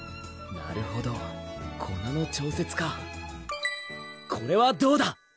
なるほど粉の調節かこれはどうだ？